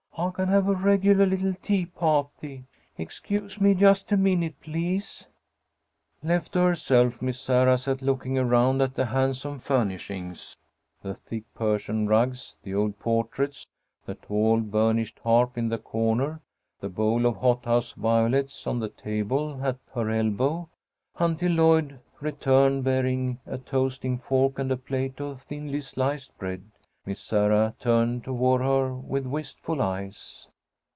I can have a regulah little tea pah'ty. Excuse me just a minute, please." Left to herself, Miss Sarah sat looking around at the handsome furnishings: the thick Persian rugs, the old portraits, the tall, burnished harp in the corner, the bowl of hothouse violets on the table at her elbow, until Lloyd returned, bearing a toasting fork and a plate of thinly sliced bread. Miss Sarah turned toward her with wistful eyes.